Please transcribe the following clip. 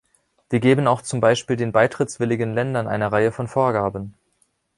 Wir geben auch zum Beispiel den beitrittswilligen Ländern eine Reihe von Vorgaben.